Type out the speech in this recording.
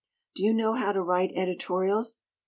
Do you know how to write editorials?